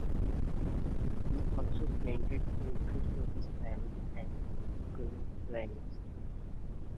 He also painted portraits of his family and circle of friends.